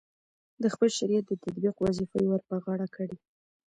د خپل شریعت د تطبیق وظیفه یې ورپه غاړه کړې.